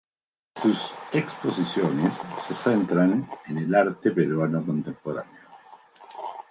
Sus exposiciones se centran en el arte peruano contemporáneo.